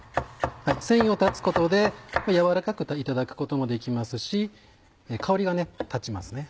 繊維を断つことで軟らかくいただくこともできますし香りが立ちますね。